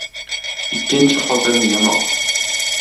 • Ikkinchi xotin ― yamoq.